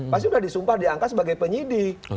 pasti sudah disumpah diangkat sebagai penyidik